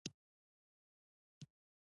• هوښیار سړی د نورو خبرې اوري.